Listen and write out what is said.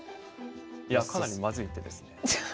いやかなりまずい手ですね。